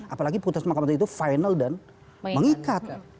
apalagi putusan makamah konstitusi itu final dan mengikat